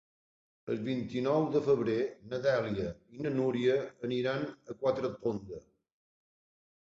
El vint-i-nou de febrer na Dèlia i na Núria aniran a Quatretonda.